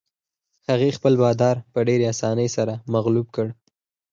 هغې خپل بادار په ډېرې اسانۍ سره مغلوب کړ.